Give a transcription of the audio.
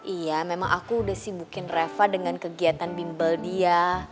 iya memang aku udah sibukin reva dengan kegiatan bimbel dia